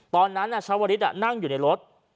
ตอนนั้นชาวลิสนั่งอยู่ในรถ